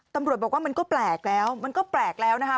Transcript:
ตำรวจบอกว่ามันก็แปลกแล้วมันก็แปลกแล้วนะคะ